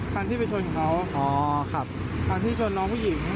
คันที่ไปชนเขาอ๋อขับคันที่ชนน้องผู้หญิง